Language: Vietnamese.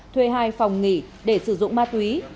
thuê hai phòng nghỉ để sử dụng ma túy